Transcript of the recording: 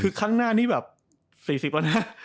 คือครั้งหน้านี้แบบ๔๐แล้วนะ